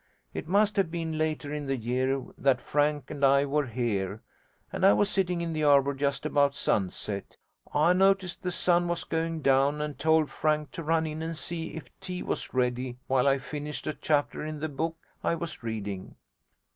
It must have been later in the year that Frank and I were here, and I was sitting in the arbour just about sunset. I noticed the sun was going down, and told Frank to run in and see if tea was ready while I finished a chapter in the book I was reading.